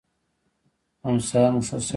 همسايه مو ښه سړی دی.